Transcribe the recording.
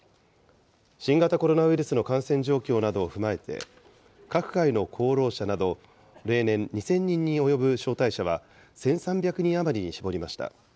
新型コロナウイルスの感染状況などを踏まえて、各界の功労者など、例年２０００人に及ぶ招待者は、１３００人余りに絞りました。